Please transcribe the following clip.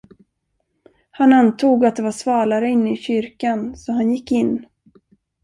Han antog, att det var svalare inne i kyrkan, så han gick in.